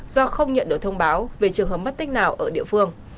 do không nhận được thông báo về trường hợp mất tích nào ở địa phương